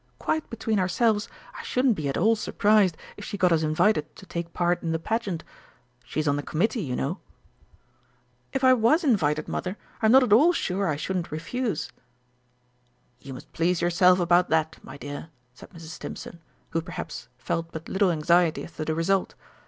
Quite between ourselves, I shouldn't be at all surprised if she got us invited to take part in the Pageant she's on the Committee, you know." "If I was invited, Mother, I'm not at all sure I shouldn't refuse." "You must please yourself about that, my dear," said Mrs. Stimpson, who, perhaps, felt but little anxiety as to the result.